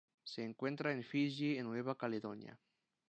Se encuentra en Fiyi y Nueva Caledonia.